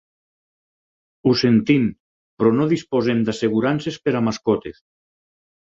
Ho sentim, però no disposem d'assegurances per a mascotes.